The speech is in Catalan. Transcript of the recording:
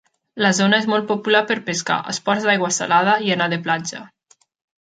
La zona és molt popular per pescar esports d'aigua salada i anar de platja.